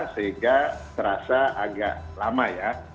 sehingga terasa agak lama ya